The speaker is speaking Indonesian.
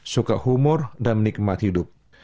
suka humor dan menikmati hidup